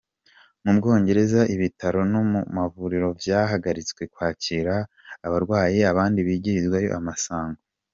Mu Bwongereza ibitaro n'amavuriro vyahagaritse kwakira abarwayi abandi bigirizwayo amasango.